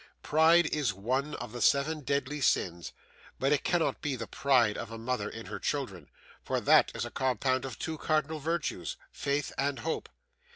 Pride is one of the seven deadly sins; but it cannot be the pride of a mother in her children, for that is a compound of two cardinal virtues faith and hope.